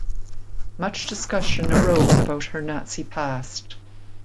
Much discussion arose about her Nazi past.